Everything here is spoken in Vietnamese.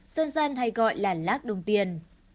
dân dân hay gọi là lác đồng tiền